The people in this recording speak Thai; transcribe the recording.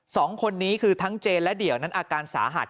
สองคนนี้คือทั้งเจนและเดี่ยวนั้นอาการสาหัส